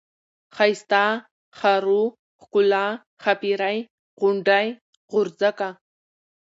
ښايسته ، ښارو ، ښکلا ، ښاپيرۍ ، غونډۍ ، غورځکه ،